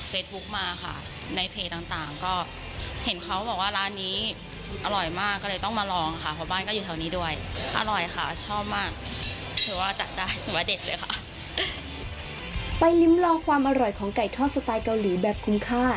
ไปลิ้มลองความอร่อยของไก่ทอดสไตล์เกาหลีแบบคุ้มค่า